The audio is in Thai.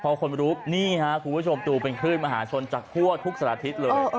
พอคนรู้นี่ฮะคุณผู้ชมดูเป็นคลื่นมหาชนจากทั่วทุกสัตว์อาทิตย์เลย